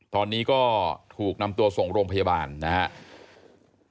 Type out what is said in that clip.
ตอนนี้ก็ถูกนำตัวส่งโรงพยาบาลนะครับ